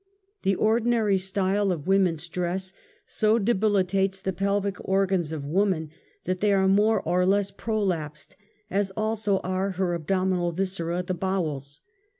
The ordinary style of woman's dress so debili tates the pelvic organs of woman, that they are more or less prolapsed, as also are her abdominal viscera, \ the bowels.